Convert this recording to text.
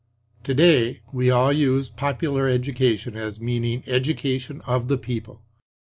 To day we all use Popular Education as meaning education of the people.